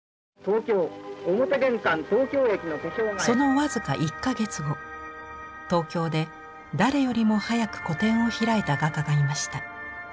その僅か１か月後東京で誰よりも早く個展を開いた画家がいました。